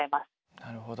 なるほど。